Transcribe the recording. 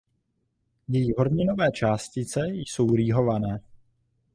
Její horninové částice jsou rýhované.